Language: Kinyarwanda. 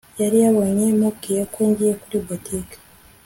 yari yabonye mubwiye ko ngiye kuri boutique